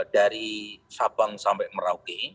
dari sabang sampai merauke